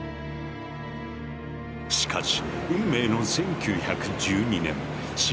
しかし運命の１９１２年４月１４日。